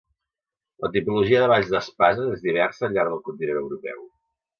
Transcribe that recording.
La tipologia de balls d’espases és diversa al llarg del continent europeu.